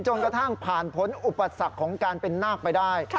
จนกระทั่งผ่านผลอุปสรรคของการเป็นนาคไปได้